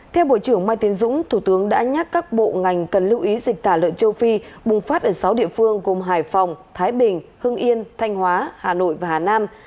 theo bộ trưởng mai tiến dũng thủ tướng đã nhắc các bộ ngành cần lưu ý dịch tả lợn châu phi bùng phát ở sáu địa phương gồm hải phòng thái bình hưng yên thanh hóa hà nội và hà nam